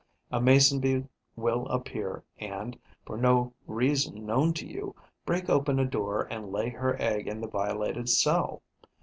A Mason bee will appear and, for no reason known to you, break open a door and lay her egg in the violated cell.